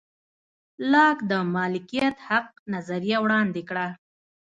لاک د مالکیت حق نظریه وړاندې کړه.